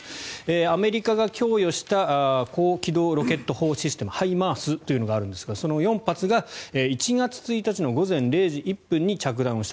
アメリカが供与した高機動ロケット砲システムＨＩＭＡＲＳというのがあるんですがその４発が１月１日の午前０時１分に着弾をした。